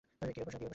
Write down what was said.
কি ব্যাপার, সাহেব?